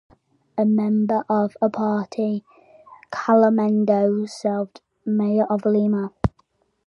A member of the Civilista Party, Candamo served as mayor of Lima.